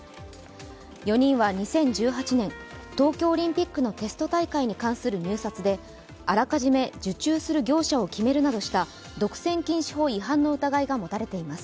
４人は２０１８年、東京オリンピックのテスト大会に関する入札であらかじめ受注する業者を決めるなどした独占禁止法違反の疑いが持たれています。